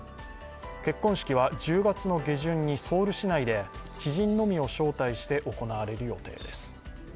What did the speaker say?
結婚式は１０月の下旬にソウル市内で知人のみを招待して行われる予定です。